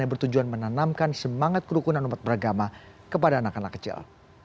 yang bertujuan menanamkan semangat kerukunan umat beragama kepada anak anak kecil